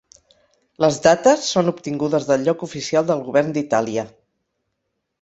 Les dates són obtingudes del lloc oficial del Govern d'Itàlia.